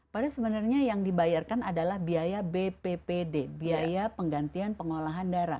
padahal sebenarnya yang dibayarkan adalah biaya bppd biaya penggantian pengolahan darah